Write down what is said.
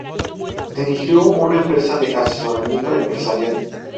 Dirigió una empresa de asesoramiento empresarial.